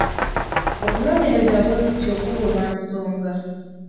Okunoonyereza bwe kutyo kugoba nsonga.